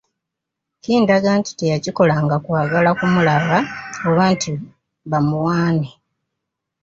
Kindaga nti teyakikolanga kwagala kumulaba oba nti bamuwaane.